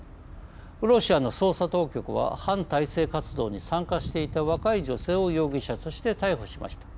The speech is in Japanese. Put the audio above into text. ロシアの捜査当局は反体制活動に参加していた若い女性を容疑者として逮捕しました。